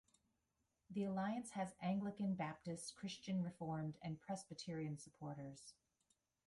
The Alliance has Anglican, Baptist, Christian Reformed, and Presbyterian supporters.